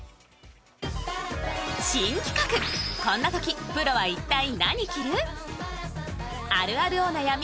新企画、こんなときプロは一体何着る？